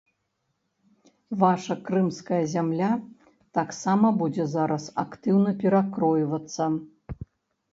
Ваша крымская зямля таксама будзе зараз актыўна перакройвацца.